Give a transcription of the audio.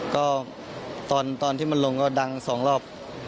ก็ตอนที่มันลงก็ดัง๒รอบ